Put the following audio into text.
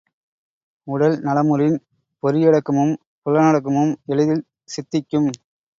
உடல் நலமுறின் பொறியடக்கமும் புலனடக்கமும் எளிதில் சித்திக்கும்.